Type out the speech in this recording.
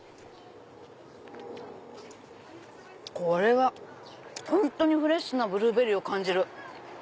これは本当にフレッシュなブルーベリーを感じる。